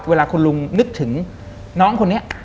เวลาคุณลุงนึกถึงน้องคนนี้